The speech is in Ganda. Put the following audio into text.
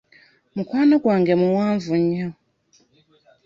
Mukwano gwange muwanvu nnyo.